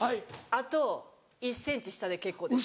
あと１センチ下で結構です。